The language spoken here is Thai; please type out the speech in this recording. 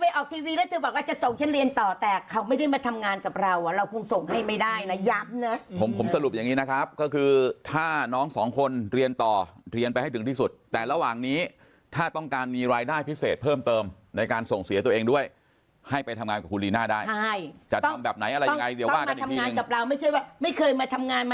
เห็นไหมคุณแม่จะส่งเรียนต่อเห็นไหมคุณแม่จะส่งเรียนต่อคุณแม่จะส่งเรียนต่อคุณแม่จะส่งเรียนต่อเห็นไหมคุณแม่จะส่งเรียนต่อเห็นไหมคุณแม่จะส่งเรียนต่อเห็นไหมคุณแม่จะส่งเรียนต่อเห็นไหมคุณแม่จะส่งเรียนต่อเห็นไหมคุณแม่จะส่งเรียนต่อเห็นไหมคุณแม่จะส่งเร